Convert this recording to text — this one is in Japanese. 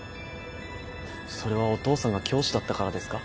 それはお父さんが教師だったからですか？